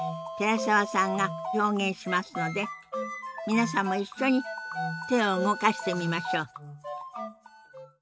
寺澤さんが表現しますので皆さんも一緒に手を動かしてみましょう。